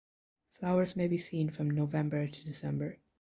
Flowers may be seen from November to December.